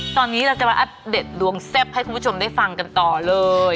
ตอนนี้เราจะมาอัปเดตดวงแซ่บให้คุณผู้ชมได้ฟังกันต่อเลย